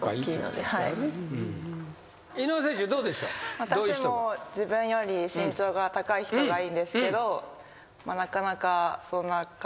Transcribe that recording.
私も自分より身長が高い人がいいんですけどなかなかそんな方は。